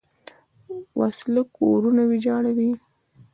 وسله کورونه ویجاړوي